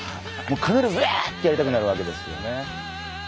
もう必ずやあってやりたくなるわけですよね。